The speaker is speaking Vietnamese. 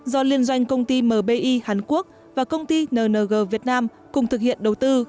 do liên doanh công ty mbi hàn quốc và công ty nng việt nam cùng thực hiện đầu tư